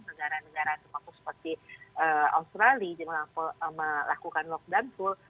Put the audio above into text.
negara negara termasuk seperti australia melakukan lockdown full